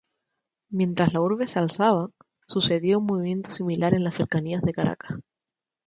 Mientras la urbe se alzaba, sucedía un movimiento similar en las cercanías de Caracas.